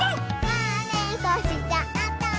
「まねっこしちゃった」